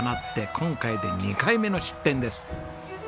今回で２回目の出店です。